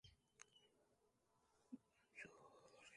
روزگار کرݨ ڳِیا ودّا ہے